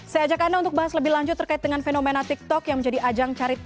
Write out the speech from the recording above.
saya ajak anda untuk bahas lebih lanjut terkait dengan fenomena tiktok yang menjadi ajang carita